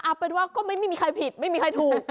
เอาเป็นว่าก็ไม่มีใครผิดไม่มีใครถูก